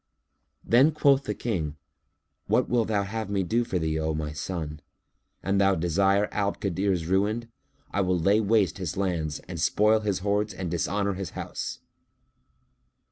Then quoth the King, "What wilt thou have me do for thee, O my son? An thou desire Abd al Kadir's ruin, I will lay waste his lands and spoil his hoards and dishonour his house."